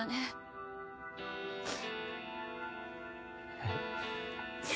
えっ？